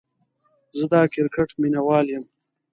زه دا کرکټ ميناوال يم